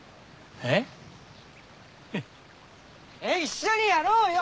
えっ一緒にやろうよ。